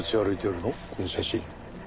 この写真。